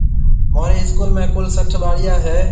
مهورِي اسڪول ۾ ڪُل سهٽ ٻاݪيا هيَ۔